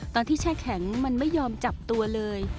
แช่แข็งมันไม่ยอมจับตัวเลย